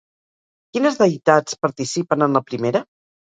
Quines deïtats participen en la primera?